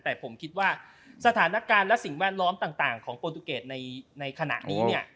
แต่ผมคิดว่าสถานการณ์และสิ่งแวดล้อมต่างของโปรตูเกตในขณะนี้เนี่ย